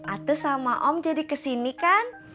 ates sama om jadi kesini kan